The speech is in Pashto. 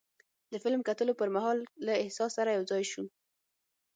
د فلم کتلو پر مهال له احساس سره یو ځای شو.